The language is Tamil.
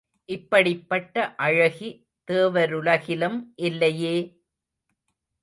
இப்படிப்பட்ட அழகி தேவருலகிலும் இல்லையே!